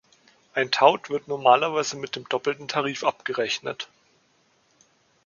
Ein Tout wird normalerweise mit dem doppelten Tarif abgerechnet.